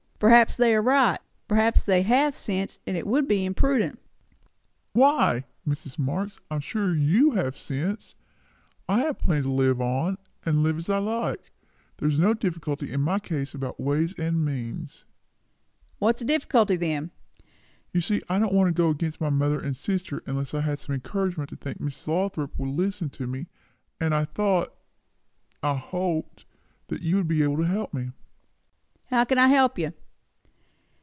"Perhaps they are right. Perhaps they have sense, and it would be imprudent." "Why? Mrs. Marx, I am sure you have sense. I have plenty to live upon, and live as I like. There is no difficulty in my case about ways and means." "What is the difficulty, then?" "You see, I don't want to go against my mother and sister, unless I had some encouragement to think that Miss Lothrop would listen to me; and I thought I hoped you would be able to help me." "How can I help you?"